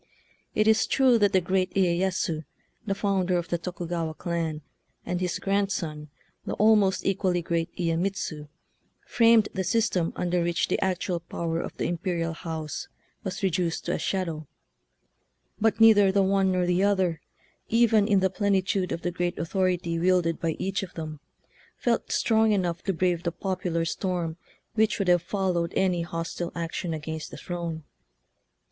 It is true that the great Iyeyasu, the founder of the Tokugawa clan, and his grandson, the almost equally great Iyemitsu, framed the system under which the actual power of the imperial house was reduced to a shadow; but neither the one nor the other, even in the plenitude of the great authority wielded by each of them, felt strong enough to brave the popular storm which would have follow ed any hostile action against the throne.